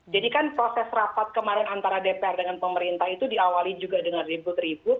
jadi kan proses rapat kemarin antara dpr dengan pemerintah itu diawali juga dengan ribut ribut